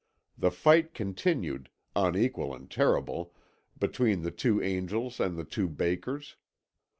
The fight continued, unequal and terrible, between the two angels and the two bakers.